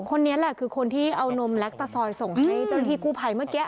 คนนี้แหละคือคนที่เอานมแล็กตะซอยส่งให้เจ้าหน้าที่กู้ภัยเมื่อกี้